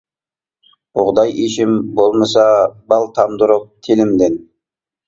بۇغداي ئېشىم بولمىسا بال تامدۇرۇپ تىلىمدىن.